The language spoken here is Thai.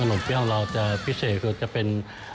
ขนมเปี๊ยะของเราจะพิเศษคือจะเป็น